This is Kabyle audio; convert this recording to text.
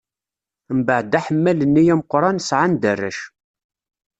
Mbeɛd aḥemmal-nni ameqran, sɛan-d arrac.